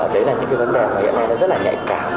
đấy là những cái vấn đề mà hiện nay nó rất là nhạy cảm